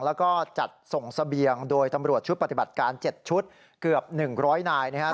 แล้วก็จัดส่งเสบียงโดยตำรวจชุดปฏิบัติการ๗ชุดเกือบ๑๐๐นายนะครับ